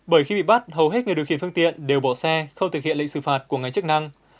bởi khi bị bắt hầu hết người điều khiển phương tiện đều bỏ xe không thực hiện lệnh xử phạt của ngành chức năng